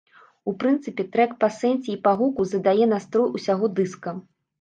У прынцыпе, трэк па сэнсе і па гуку задае настрой усяго дыска.